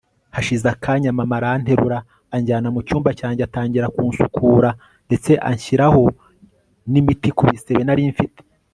hashize akanya, mama aranterura anjyana mucyumba cyanjye atangira kunsukura ndetse anshyiraho nimiti kubisebe nari mfite